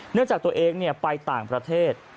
เนื่องจากตัวเองเนี่ยไปต่างประเทศ